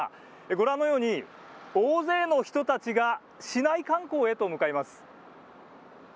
ご覧のように、大勢の人たちが市内観光へと向かいます。